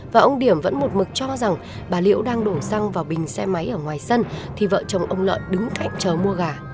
và ông điểm vẫn một mực cho rằng bà liễu đang đổ xăng vào bình xe máy ở ngoài sân thì vợ chồng ông lợi đứng cạnh chờ mua gà